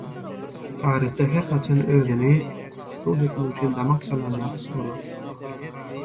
Taryhda her haçan özüni subut etmek üçin damak çalanlar bolar.